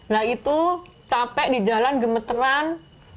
nah itu capek di jalan gemeteran